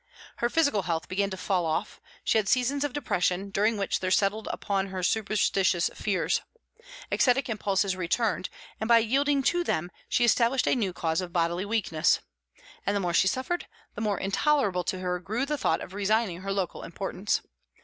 Her physical health began to fall off; she had seasons of depression, during which there settled upon her superstitious fears. Ascetic impulses returned, and by yielding to them she established a new cause of bodily weakness. And the more she suffered, the more intolerable to her grew the thought of resigning her local importance.